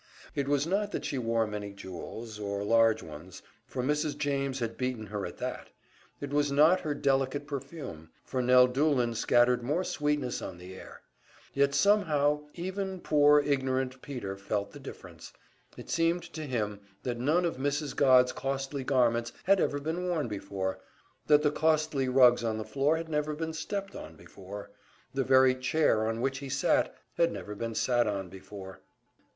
It was not that she wore many jewels, or large ones, for Mrs. James had beaten her at that; it was not her delicate perfume, for Nell Doolin scattered more sweetness on the air; yet somehow even poor, ignorant Peter felt the difference it seemed to him that none of Mrs. Godd's costly garments had ever been worn before, that the costly rugs on the floor had never been stepped on before, the very chair on which he sat had never been sat on before!